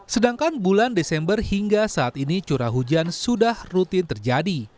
sedangkan bulan desember hingga saat ini curah hujan sudah rutin terjadi